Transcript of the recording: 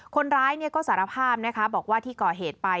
คนร้ายก็สารภาพนะคะบอกว่าที่ก่อเหตุไป